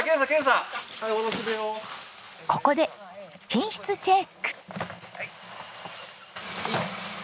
ここで品質チェック！